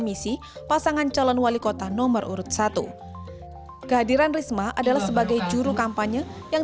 misi pasangan calon wali kota nomor urut satu kehadiran risma adalah sebagai juru kampanye yang